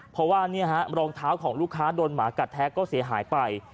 เพราะว่ารองเท้าของลูกค้าโดนหมากัดแท้ก็เสียหายไป